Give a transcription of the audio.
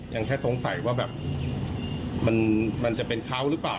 ยังแค่สงสัยว่าแบบมันจะเป็นเขาหรือเปล่า